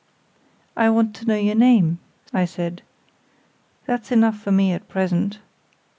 "'I want to know your name,' I said, 'that's enough for me at present.